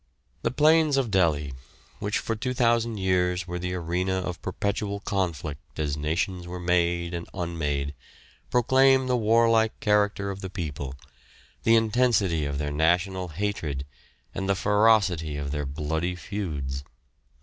The plains of Delhi, which for 2,000 years were the arena of perpetual conflict as nations were made and unmade, proclaim the warlike character of the people, the intensity of their national hatred, and the ferocity of their bloody feuds.